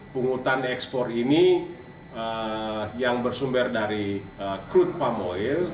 pungutan ekspor ini yang bersumber dari crude palm oil